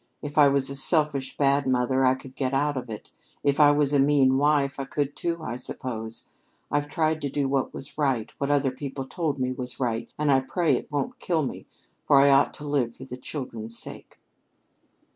If I was a selfish, bad mother, I could get out of it; if I was a mean wife, I could, too, I suppose. I've tried to do what was right, what other people told me was right, and I pray it won't kill me for I ought to live for the children's sake."